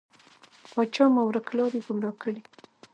پاچا مو ورک لاری، ګمرا کړی.